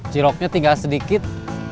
ciroknya tinggal sedikit